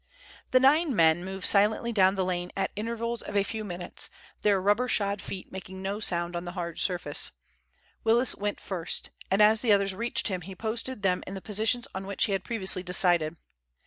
The nine men moved silently down the lane at intervals of a few minutes, their rubber shod feet making no sound on the hard surface. Willis went first, and as the others reached him he posted them in the positions on which he had previously decided.